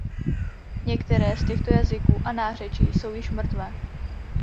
Některé z těchto jazyků a nářečí jsou již mrtvé.